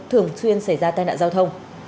thường xuyên xảy ra tai nạn giao thông